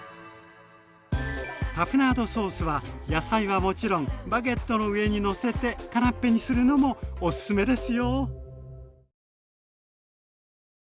タプナードソースは野菜はもちろんバゲットの上に載せてカナッペにするのもおすすめですよ。